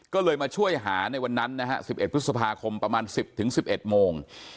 ก็เลยมาช่วยหา๑๑พฤษภาคมประมาณ๑๐๑๑โมง